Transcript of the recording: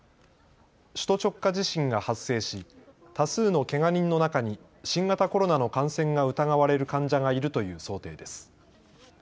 首都直下地震が発生し多数のけが人の中に新型コロナの感染が疑われる患者がいるという想定です。